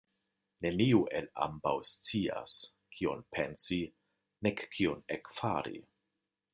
Neniu el ambaŭ scias, kion pensi, nek kion ekfari.